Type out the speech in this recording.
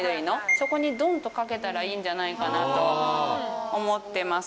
そこにドンと掛けたらいいんじゃないかなと思ってます。